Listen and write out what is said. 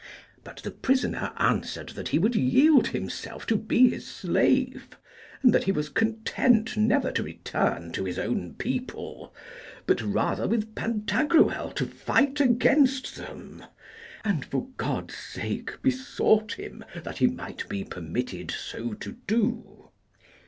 But the prisoner answered that he would yield himself to be his slave, and that he was content never to return to his own people, but rather with Pantagruel to fight against them, and for God's sake besought him that he might be permitted so to do.